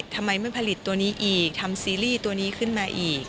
ทำไมไม่ผลิตตัวนี้อีกทำซีรีส์ตัวนี้ขึ้นมาอีก